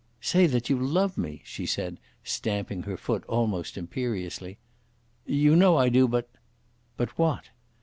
"Say that you love me," she said, stamping her foot almost imperiously. "You know I do, but " "But what."